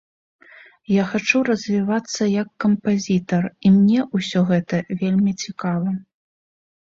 Я хачу развівацца як кампазітар, і мне ўсё гэта вельмі цікава.